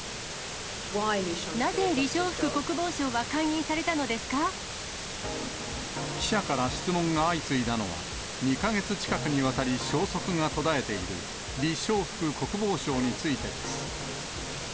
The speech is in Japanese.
なぜ李尚福国防相は解任され記者から質問が相次いだのは、２か月近くにわたり消息が途絶えている李尚福国防相についてです。